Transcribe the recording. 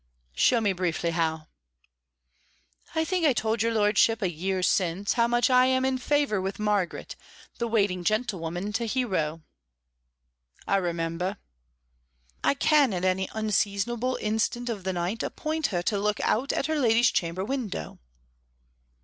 "Show me briefly how." "I think I told your lordship a year since how much I am in favour with Margaret, the waiting gentlewoman to Hero." "I remember." "I can at any unseasonable instant of the night appoint her to look out at her lady's chamber window."